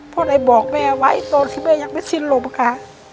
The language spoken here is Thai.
เพราะเลยบอกแม่ไว้ตอนที่แม่ยังไม่ชินหลบค่ะ